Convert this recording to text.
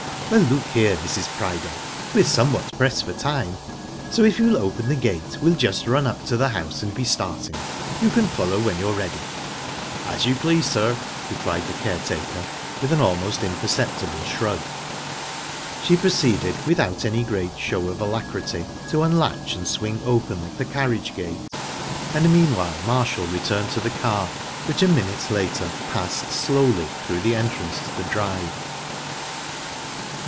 "Well, look here, Mrs. Priday we're somewhat pressed for time, so if you'll open the gate we'll just run up to the house and be starting. You can follow when you're ready." "As you please, sir," replied the caretaker, with an almost imperceptible shrug. She proceeded, without any great show of alacrity, to unlatch and swing open the carriage gate, and meanwhile Marshall returned to the car, which a minute later passed slowly through the entrance to the drive.